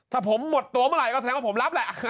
ถ้าผมหมดตัวเมื่อไหร่ก็แสดงว่าผมรับแหละ